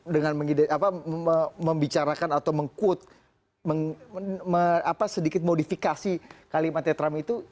dengan membicarakan atau mengkut sedikit modifikasi kalimatnya trump itu